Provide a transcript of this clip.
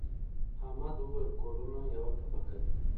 احمد وويل: کورونه یوه طبقه دي.